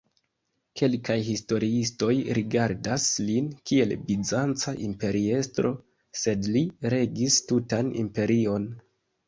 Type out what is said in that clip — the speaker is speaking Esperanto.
Kelkaj historiistoj rigardas lin kiel Bizanca imperiestro, sed li regis tutan imperion.